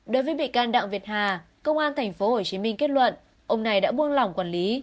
đối với bị can đặng việt hà công an tp hcm kết luận ông này đã buông lỏng quản lý